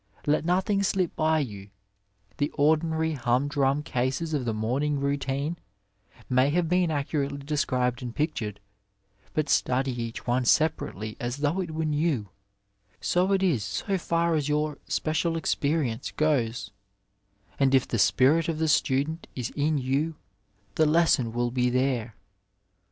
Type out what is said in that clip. Let nothing slip by you ; the ordinary humdrum cases of the morning routine may have been accurately described and pictured, but study each one separately as though it were new — so it is so far as your special experience goes ; and if the spirit of the student is in you the lesson will be there.